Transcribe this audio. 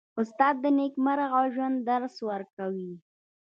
استاد د نېکمرغه ژوند درس ورکوي.